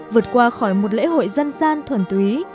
vượt qua khỏi một lễ hội dân gian thuần túy